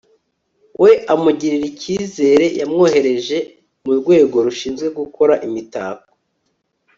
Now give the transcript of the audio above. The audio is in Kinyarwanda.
we amugirira ikizere. yamwohereje mu rwego rushinzwe gukora imitako